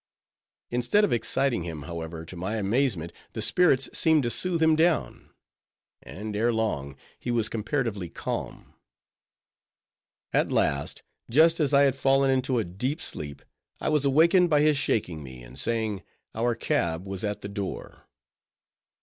Instead of exciting him, however, to my amazement, the spirits seemed to soothe him down; and, ere long, he was comparatively calm. At last, just as I had fallen into a deep sleep, I was wakened by his shaking me, and saying our cab was at the door.